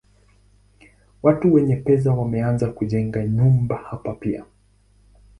Watu wenye pesa wameanza kujenga nyumba hapa pia.